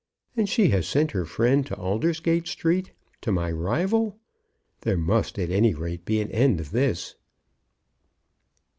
And she has sent her friend to Aldersgate Street, to my rival! There must, at any rate, be an end of this!"